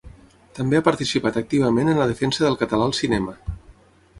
També ha participat activament en la defensa del català al cinema.